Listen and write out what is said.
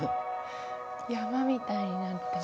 山みたいになってます。